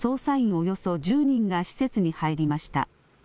およそ１０人が施設に入りました。